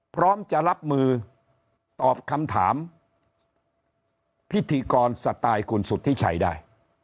พร้อมจะรับมือตอบคำถามพิธีกรสไตล์คุณสุธิชัยได้